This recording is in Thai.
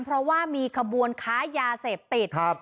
เพราะว่ามีขบวนค้ายาเสพติดครับ